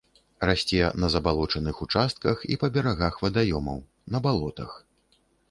Расце на забалочаных участках і па берагах вадаёмаў, на балотах.